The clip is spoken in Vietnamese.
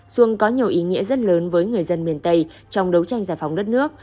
xuông có nhiều ý nghĩa rất lớn với người dân miền tây trong đấu tranh giải phóng đất nước